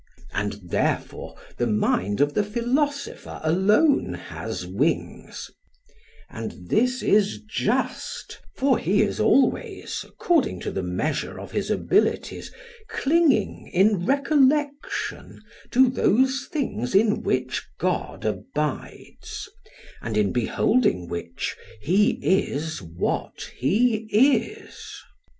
And therefore the mind of the philosopher alone has wings; and this is just, for he is always, according to the measure of his abilities, clinging in recollection to those things in which God abides, and in beholding which He is what He is.